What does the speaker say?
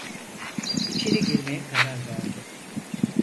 İçeri girmeye karar verdi.